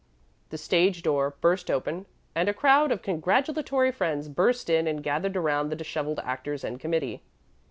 The stage door burst open and a crowd of congratulatory friends burst in and gathered around the disheveled actors and committee.